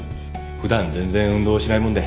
普段全然運動をしないもんで。